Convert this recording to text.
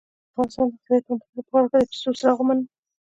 د افغانستان د اقتصادي پرمختګ لپاره پکار ده چې سور څراغ ومنو.